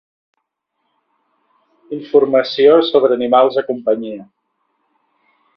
Informació sobre animals de companyia.